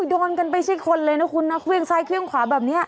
โดนกันไปชิดคนเลยนะคุณนะเวียงซ้ายเวียงขวาแบบนี้